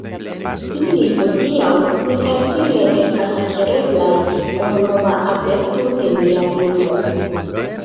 Ili hodiaŭ ne facile estas akireblaj por nova adepto de nia lingvo.